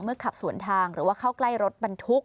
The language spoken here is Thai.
ขับสวนทางหรือว่าเข้าใกล้รถบรรทุก